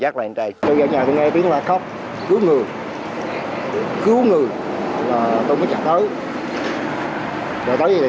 chân này tôi ra nhà nghe tiếng nói khóc cứu người cứu người là tôi mới chạy tới rồi cái gì